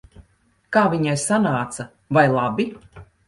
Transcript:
Kā viņai sanāca? Vai labi?